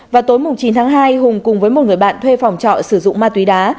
vào tối chín tháng hai hùng cùng với một người bạn thuê phòng trọ sử dụng ma túy đá